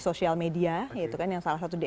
social media yang salah satu di